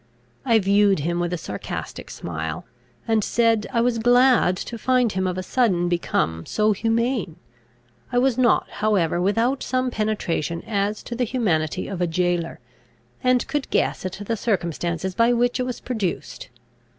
I viewed him with a sarcastic smile, and said, I was glad to find him of a sudden become so humane: I was not however without some penetration as to the humanity of a jailor, and could guess at the circumstances by which it was produced.